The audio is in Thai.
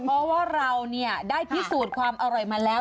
เพราะว่าเราได้พิสูจน์ความอร่อยมาแล้ว